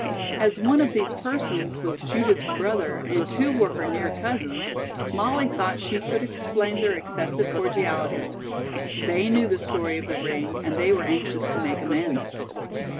As one of these persons was Judith's brother and two were her near cousins, Molly thought she could explain their excessive cordiality. They knew the story of the ring and they were anxious to make amends.